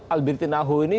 alberti nahu ini